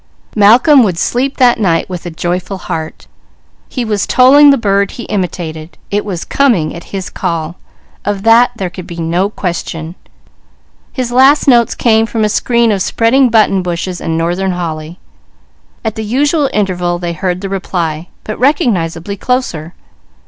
Malcolm would sleep that night with a joyful heart. He was tolling the bird he imitated; it was coming at his call, of that there could be no question. His last notes came from a screen of spreading button bushes and northern holly. At the usual interval they heard the reply, but recognizably closer.